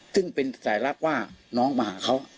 ซึ่งเป็นสายลับว่าน้องมาหาเขา